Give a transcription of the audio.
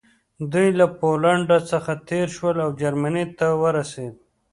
دوی له پولنډ څخه تېر شول او جرمني ته ورسېدل